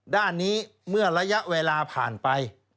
ด้านนี้เมื่อระยะเวลาผ่านไป